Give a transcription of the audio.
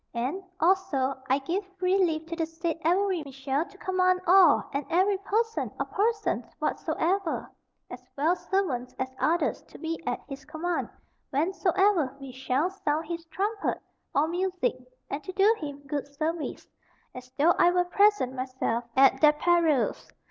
And, also, I give free leave to the said Avery Mitchell to command all and every person or persons whatsoever, as well servants as others, to be at his command whensoever be shall sound his trumpet or music, and to do him good service, as though I were present myself, at their perils.